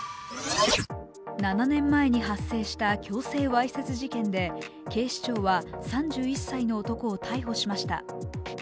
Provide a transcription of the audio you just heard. ７年前に発生した強制わいせつ事件で警視庁は３１歳の男を逮捕しました。